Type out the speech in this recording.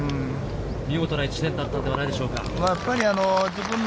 見事な１年だったのではないでしょうか。